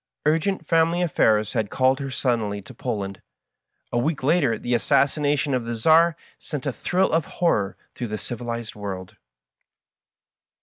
Urgent family affairs had called her suddenly to Poland. A week later the assassination of the Czar sent a thrill of horror through the civilized world.